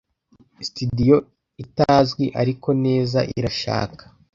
Sitidiyo itazwi ariko neza. Irashaka